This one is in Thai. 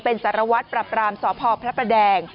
เป็นสารวัตรปรับรามสพพระประแดง